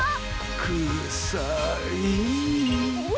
くさい。